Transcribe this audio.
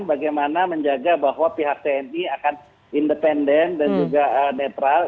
bagaimana menjaga bahwa pihak tni akan independen dan juga netral